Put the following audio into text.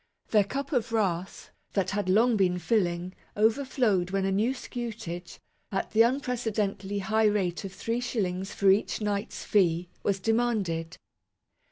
Their cup of o wrath, that had long been filling, overflowed when a / new scutage, at the unprecedently high rate of three shillings for each knight's fee, was demanded.